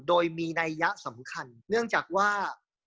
โดยมีนัยยะสำคัญเนื่องจากว่า